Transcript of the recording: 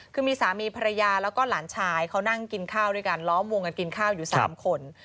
คือมีสามีภรรยาแล้วก็หลานชายเขานั่งกินข้าวด้วยกันล้อมวงกันกินข้าวอยู่๓คน